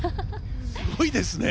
すごいですね。